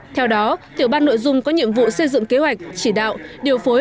theo đó tiểu ban nội dung có nhiệm vụ xây dựng kế hoạch chỉ đạo điều phối